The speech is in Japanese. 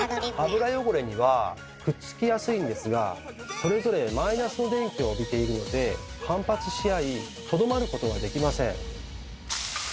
油汚れにはくっつきやすいんですがそれぞれマイナスの電気を帯びているので反発し合いとどまることができません。